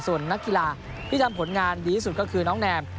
ส่วนนักกีฬาที่ทำผลงานดีที่สุดก็คือน้องแนม